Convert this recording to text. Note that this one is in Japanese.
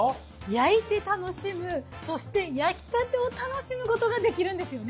焼いて楽しむそして焼きたてを楽しむことができるんですよね。